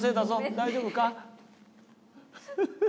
大丈夫か？